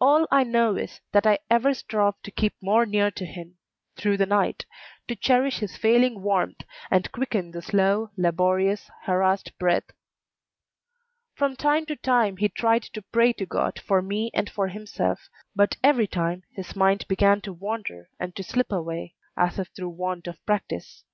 All I know is that I ever strove to keep more near to him through the night, to cherish his failing warmth, and quicken the slow, laborious, harassed breath. From time to time he tried to pray to God for me and for himself; but every time his mind began to wander and to slip away, as if through want of practice.